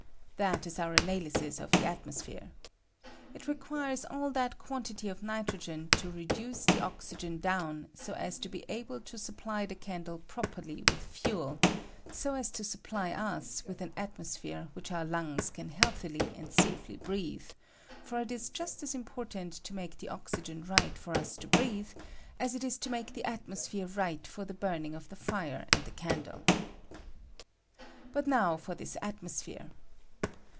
That is our analysis of the atmosphere. It requirea all that quantity of nitrogen to reduce the oxygen down, so as to be able to supply the candle properly with fuel, so as to supply us with an atmosphere which our lungs can healthily and safely breathe ; for it ia just as important to make the oxygen right for U3 to breathe, as it is to make the atmosphere right for the burning of the fire and the candle. But now for this atmosphere.